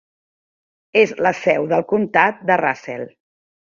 És la seu del comtat de Russell.